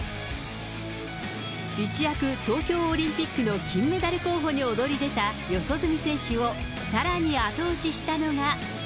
一躍東京オリンピックの金メダル候補に躍り出た四十住選手をさらに後押ししたのが。